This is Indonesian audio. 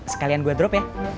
sekalian gua drop ya